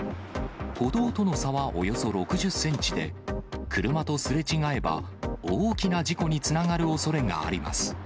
歩道との差はおよそ６０センチで、車とすれ違えば、大きな事故につながるおそれがあります。